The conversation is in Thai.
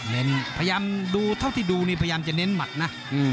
พยายามดูเท่าที่ดูนี่พยายามจะเน้นหมัดนะ